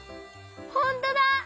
ほんとだ！